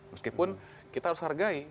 meskipun kita harus hargai